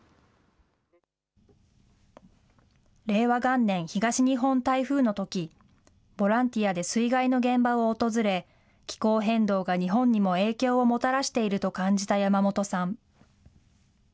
令和元年東日本台風のとき、ボランティアで水害の現場を訪れ、気候変動が日本にも影響をもたらしていると感じた山本さん。